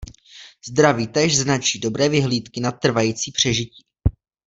Zdraví též značí dobré vyhlídky na trvající přežití.